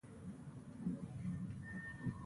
دښمن ته هېڅوک د خیر تمه نه لري